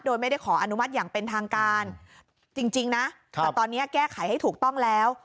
โดยไม่ได้ขออนุมัติอย่างเป็นทางการจริงนะแต่ตอนนี้แก้ไขให้ถูกต้องแล้ว